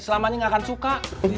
selamanya ga akan suka